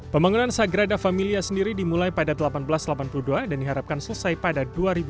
pembangunan sagrada familia sendiri dimulai pada seribu delapan ratus delapan puluh dua dan diharapkan selesai pada dua ribu dua puluh